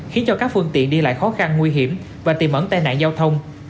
khiến cho các phương tiện đi lại khó khăn nguy hiểm và tìm ẩn tai nạn giao thông